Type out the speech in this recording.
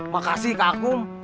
makasih kak kum